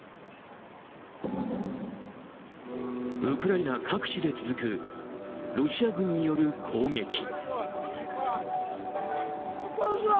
ウクライナ各地で続くロシア軍による攻撃。